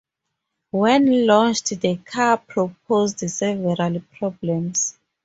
When launched the car proposed several problems.